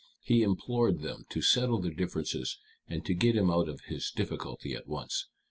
He implored them to settle their differences, and to get him out of his difficulty at once.